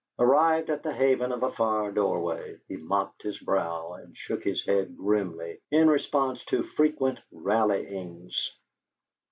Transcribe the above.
Arrived at the haven of a far doorway, he mopped his brow and shook his head grimly in response to frequent rallyings.